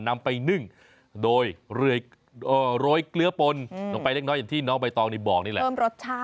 นำไปนึ่งโดยโรยเกลือปนลงไปเล็กน้อยอย่างที่น้องใบตองนี่บอกนี่แหละเพิ่มรสชาติ